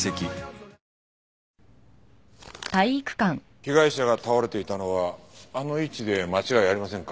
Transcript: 被害者が倒れていたのはあの位置で間違いありませんか？